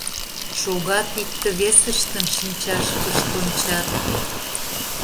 Шогат, икте-весыштын шинчашкышт ончат.